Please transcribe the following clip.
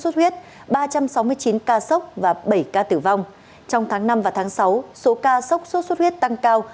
suốt huyết ba trăm sáu mươi chín ca sốc và bảy ca tử vong trong tháng năm và tháng sáu số ca sốc sốt xuất huyết tăng cao